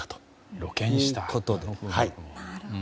露見したと。